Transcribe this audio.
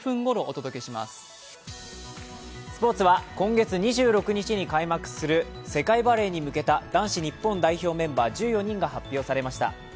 スポーツは、今月２６日に開幕する世界バレーに向けた男子日本代表メンバー１４人が発表されました。